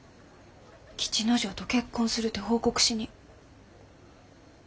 吉之丞と結婚するて報告しに。